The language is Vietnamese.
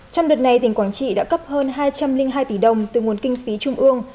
trong đợt này tỉnh quảng trị đã cấp hơn hai trăm linh hai tỷ đồng từ nguồn kinh phí trung ương